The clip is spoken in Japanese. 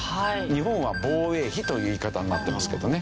日本は「防衛費」という言い方になってますけどね。